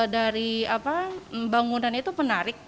dari bangunan itu menarik